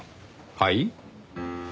はい？